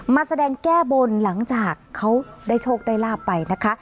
มาแสดงแก้บนหลังจากเขาได้โชคได้ลาบไปนะคะ